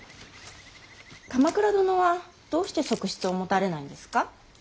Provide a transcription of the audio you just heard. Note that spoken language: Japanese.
鎌倉殿はどうして側室を持たれないんですか。